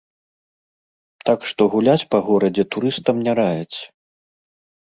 Так што гуляць па горадзе турыстам не раяць.